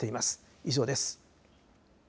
以上です。